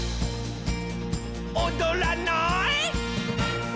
「おどらない？」